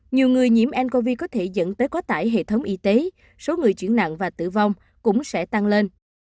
nhiều người nhiễm ncov có thể dẫn tới quá tải hệ thống y tế số người chuyển nặng và tử vong cũng sẽ tăng lên